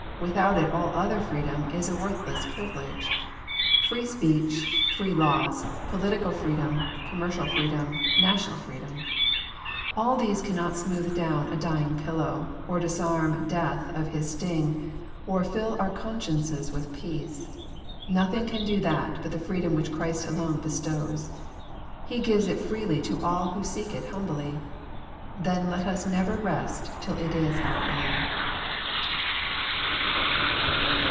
Without it all other freedom is a worthless privilege. Free speech, free laws, political freedom, commercial freedom, national freedom, — all these cannot smooth down a dying pillow, or disarm death of his sting, or fill our consciences with peace. Nothing can do that but the freedom which Christ alone bestows. He gives it freely to all who seek it humbly. Then let us never rest till it is our own.